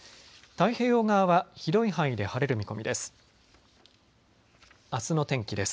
太平洋側は広い範囲で晴れる見込みです。